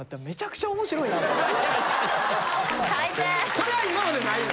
それは今までないの？